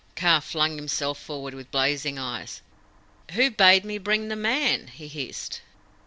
Kaa flung himself forward with blazing eyes. "Who bade me bring the Man?" he hissed.